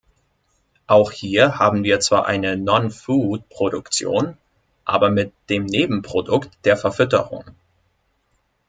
Auch hier haben wir zwar eine Nonfood-Produktion, aber mit dem Nebenprodukt der Verfütterung.